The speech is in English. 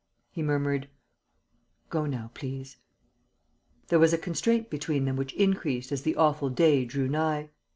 He murmured: "Go now, please." There was a constraint between them which increased as the awful day drew nigh.